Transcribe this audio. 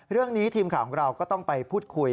เรื่องนี้ทีมข่าวของเราก็ต้องไปพูดคุย